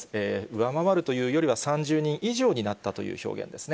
上回るというよりは、３０人以上になったという表現ですね。